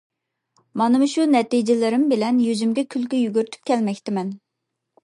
مانا مۇشۇ نەتىجىلىرىم بىلەن يۈزۈمگە كۈلكە يۈگۈرتۈپ كەلمەكتىمەن.